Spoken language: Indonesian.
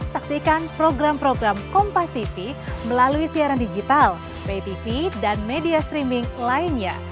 saksikan program program kompas tv melalui siaran digital pay tv dan media streaming lainnya